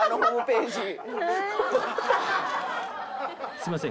すいません